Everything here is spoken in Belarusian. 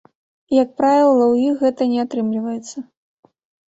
І як правіла, у іх гэтага не атрымліваецца.